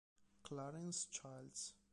Clarence Childs